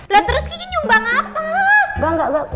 lah terus kiki nyumbang apa